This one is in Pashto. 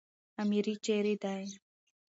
اميري چيري دئ؟